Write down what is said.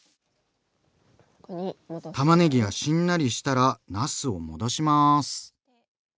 たまねぎがしんなりしたらなすを戻します。